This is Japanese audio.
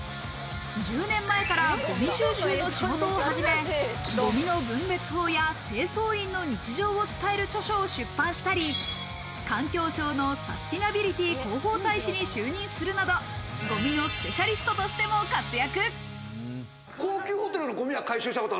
１０年前からゴミ収集の仕事を始め、ゴミの分別法や清掃員の日常を伝える著書を出版したり、環境省のサスティナビリティ広報大使に就任するなど、ゴミのスペシャリストとしても活躍。